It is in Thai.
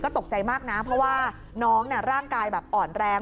ตกใจมากนะเพราะว่าน้องร่างกายแบบอ่อนแรง